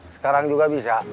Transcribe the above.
sekarang juga bisa